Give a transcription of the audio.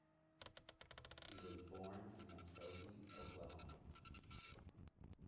He was born in Muskogee, Oklahoma.